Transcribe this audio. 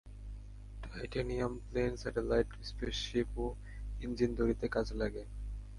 Titanium plane, satellite, spaceship ও engine তৈরীতে কাজে লাগে।